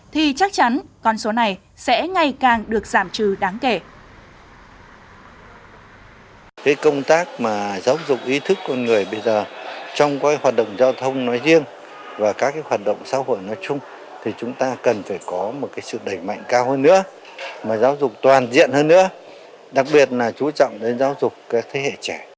thì chắc chắn con số này sẽ ngày càng được giảm trừ đáng kể